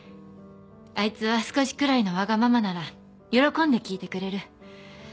あいつは少しくらいのわがままなら喜んで聞いてくれる